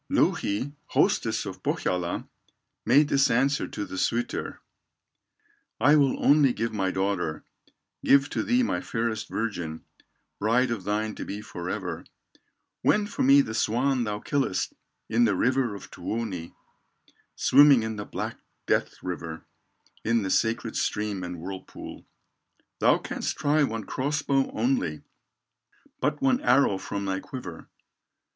Louhi, hostess of Pohyola, Made this answer to the suitor: "I will only give my daughter, Give to thee my fairest virgin, Bride of thine to be forever, When for me the swan thou killest In the river of Tuoni, Swimming in the black death river, In the sacred stream and whirlpool; Thou canst try one cross bow only, But one arrow from thy quiver."